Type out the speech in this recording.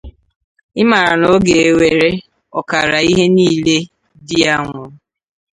ị mara na ọ ga-ewere ọkara ihe niile di ya nwụrụ